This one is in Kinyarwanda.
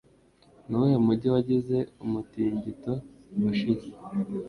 Nuwuhe mujyi wagize umutingito ubushize